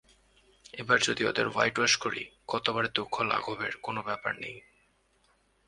এবারও যদি ওদের হোয়াইটওয়াশ করি, গতবারের দুঃঘ লাঘবের কোনো ব্যাপার নেই।